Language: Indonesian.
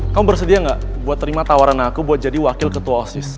kamu bersedia nggak buat terima tawaran aku buat jadi wakil ketua osis